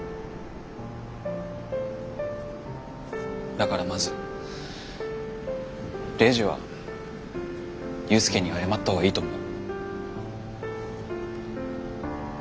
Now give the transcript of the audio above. だからまずレイジは裕介に謝った方がいいと思う。